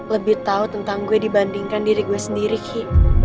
lebih tahu tentang gue dibandingkan diri gue sendiri ki